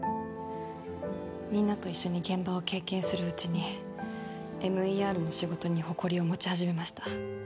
みんなと一緒に現場を経験するうちにＭＥＲの仕事に誇りを持ち始めました